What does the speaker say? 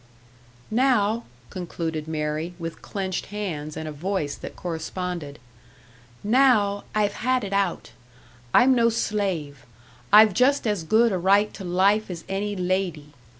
"Now," concluded Mary, with clenched hands, and a voice that corresponded, "now, I've had it out. I'm no slave; I've just as good a right to life as any lady.